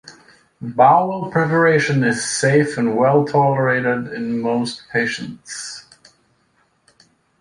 Bowel preparation is safe and well-tolerated in most patients.